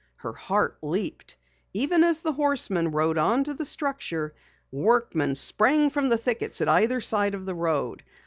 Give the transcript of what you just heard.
Her heart leaped. Even as the horseman rode onto the structure, workmen sprang from the thickets at either side of the road.